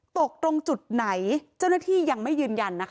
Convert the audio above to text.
ตกตรงจุดไหนเจ้าหน้าที่ยังไม่ยืนยันนะคะ